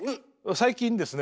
最近ですね